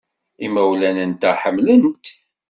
Imawlan-nteɣ ḥemmlen-t.